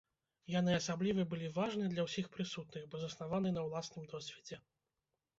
Яны асаблівы былі важны для ўсіх прысутных, бо заснаваны на ўласным досведзе.